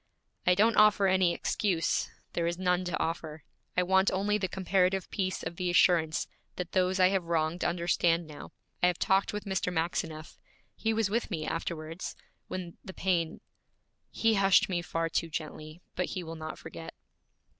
'I don't offer any excuse; there is none to offer. I want only the comparative peace of the assurance that those I have wronged understand now. I have talked with Mr. Maxineff. He was with me afterwards, when the pain He hushed me far too gently, but he will not forget.